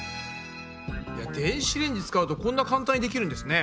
電子レンジ使うとこんな簡単にできるんですね。